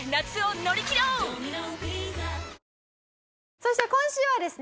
そして今週はですね